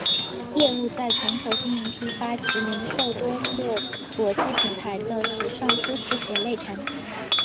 业务在全球经营批发及零售多个国际品牌的时尚舒适鞋类产品。